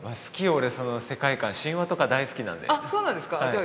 俺その世界観神話とか大好きなんであっそうなんですかじゃあ